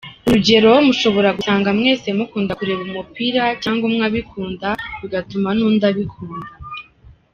Urugero mushobora gusanga mwese mukunda kureba umupira cyangwa umwe abikunda bigatuma n’undi abikunda.